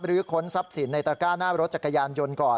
ค้นทรัพย์สินในตระก้าหน้ารถจักรยานยนต์ก่อน